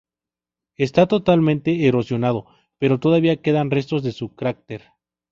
Esta totalmente erosionado, pero todavía queda restos de su cráter.